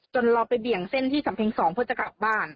เราไปเบี่ยงเส้นที่สำเพ็ง๒เพื่อจะกลับบ้าน